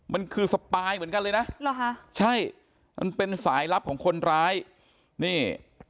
มันคือสปายเหมือนกันเลยนะหรอคะใช่มันเป็นสายลับของคนร้ายนี่